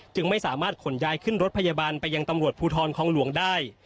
จึงไม่สามารถขนย้ายขึ้นรถพยาบาลไปยังตำรวจภูทรคองหลวงได้